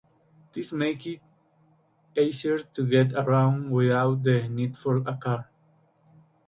This makes it easier to get around without the need for a car.